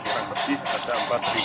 kita pergi ada empat delapan ratus permen